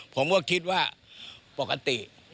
ผมก็คิดว่าปกติ